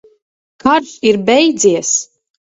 Karš ir beidzies!